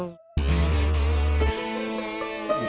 bikin rumah itu pakai tukang